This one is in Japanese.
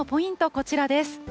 こちらです。